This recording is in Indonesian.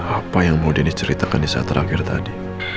apa yang mau denny ceritakan di saat terakhir tadi